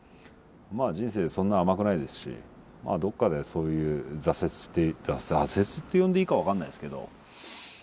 まあ人生そんな甘くないですしどっかでそういう挫折挫折って呼んでいいか分かんないですけど。